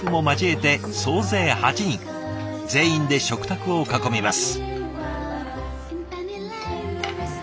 全員で食卓を囲みます。